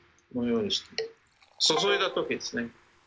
このようにして注いだときですね。